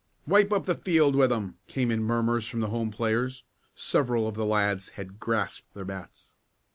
"Wipe up the field with 'em!" came in murmurs from the home players. Several of the lads had grasped their bats.